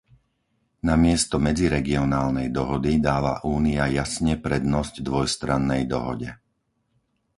Namiesto medziregionálnej dohody dáva Únia jasne prednosť dvojstrannej dohode.